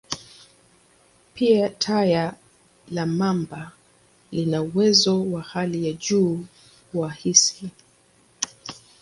Pia, taya la mamba lina uwezo wa hali ya juu wa hisi.